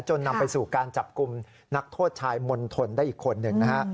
นำไปสู่การจับกลุ่มนักโทษชายมณฑลได้อีกคนหนึ่งนะฮะ